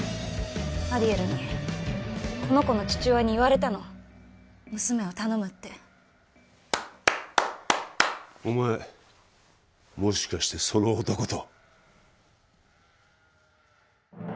アディエルにこの子の父親に言われたの「娘を頼む」ってお前もしかしてその男と？